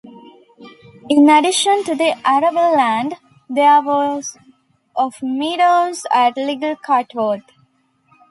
In addition to the arable land, there was of meadows at Little Catworth.